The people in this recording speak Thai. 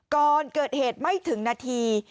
ก่อนเกิดเหตุไม่ถึงนาที